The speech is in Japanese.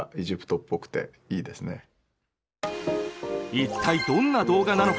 一体どんな動画なのか？